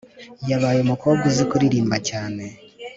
yabaye umukobwa uzi kuririmba cyane